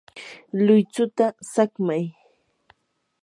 luychuta saqmay.